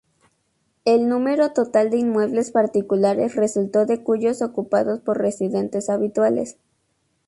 El número total de inmuebles particulares resultó de cuyos ocupados por residentes habituales.